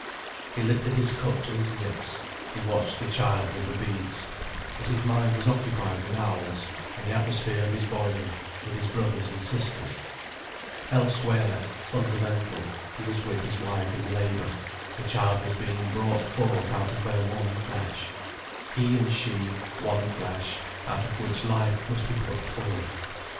He lifted his cup to his lips, he watched the child with the beads. But his mind was occupied with owls, and the atmosphere of his boyhood, with his brothers and sisters. Elsewhere, fundamental, he was with his wife in labour, the child was being brought forth out of their one flesh. He and she, one flesh, out of which life must be put forth.